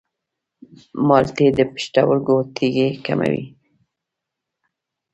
مالټې د پښتورګو تیږې کموي.